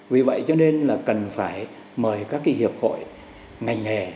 vì vậy cho nên là cần phải mời các hiệp hội ngành nghề